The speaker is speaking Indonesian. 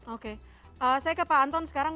oke saya ke pak anton sekarang